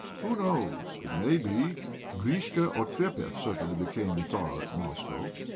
Who knows? It may be. Grischka Otrépieff certainly became Tzar at Moscow."